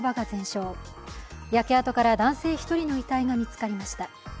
焼け跡から男性１人の遺体が見つかりました。